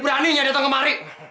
berani beraninya datang kemari